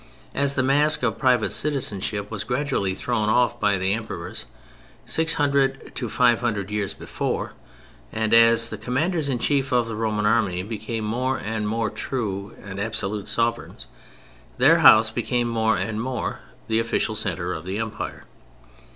As the mask of private citizenship was gradually thrown off by the Emperors, six hundred to five hundred years before, and as the commanders in chief of the Roman Army became more and more true and absolute sovereigns, their house became more and more the official centre of the Empire.